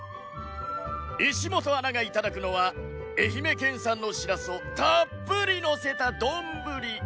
石本アナが頂くのは愛媛県産のしらすをたっぷりのせたどんぶり